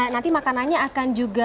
nanti makanannya akan juga